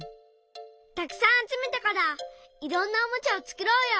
たくさんあつめたからいろんなおもちゃをつくろうよ。